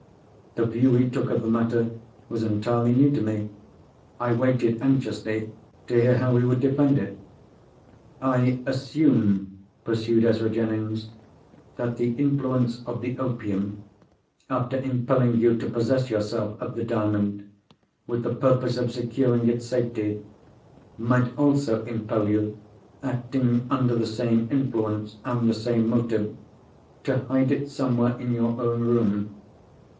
The view he took of the matter was entirely new to me. I waited anxiously to hear how he would defend it. "I assume," pursued Ezra Jennings, "that the influence of the opium—after impelling you to possess yourself of the Diamond, with the purpose of securing its safety—might also impel you, acting under the same influence and the same motive, to hide it somewhere in your own room.